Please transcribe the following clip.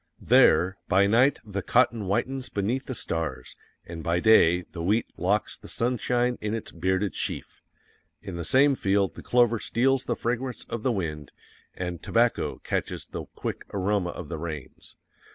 There, by night the cotton whitens beneath the stars, and by day THE WHEAT LOCKS THE SUNSHINE IN ITS BEARDED SHEAF. In the same field the clover steals the fragrance of the wind, and tobacco catches the quick aroma of the rains.